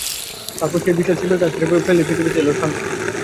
তারপর সেই বিশাল শিমের গাছ কেটে ফেলতেই পৃথিবীতে ফিরে এসেছিল শান্তি।